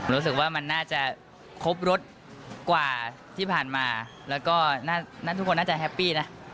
รู้สึกว่ามันน่าจะครบรถกว่าที่ผ่านมาแล้วก็ทุกคนน่าจะแฮปปี้นะ